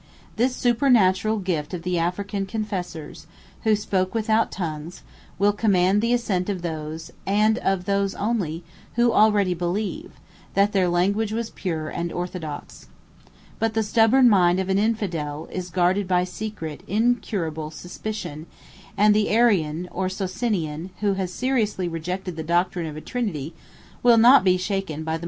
This supernatural gift of the African confessors, who spoke without tongues, will command the assent of those, and of those only, who already believe, that their language was pure and orthodox. But the stubborn mind of an infidel, is guarded by secret, incurable suspicion; and the Arian, or Socinian, who has seriously rejected the doctrine of a Trinity, will not be shaken by the most plausible evidence of an Athanasian miracle.